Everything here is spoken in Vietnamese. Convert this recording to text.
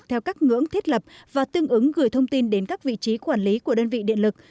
theo các ngưỡng thiết lập và tương ứng gửi thông tin đến các vị trí quản lý của đơn vị điện lực